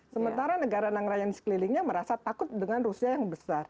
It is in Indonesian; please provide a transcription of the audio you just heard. sementara negara negara yang sekelilingnya merasa takut dengan rusia yang besar